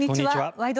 「ワイド！